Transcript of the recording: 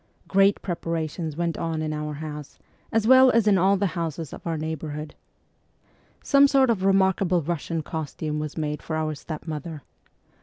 Great preparations went on in our house, as well as in all the houses of our neighbourhood. CHILDHOOD 27 Some sort of remarkable Russian costume was made for our stepmother.